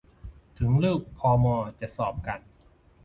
ถึงลูกพอมอจะสอบกัน